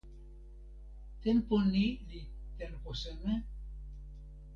tenpo ni li tenpo seme?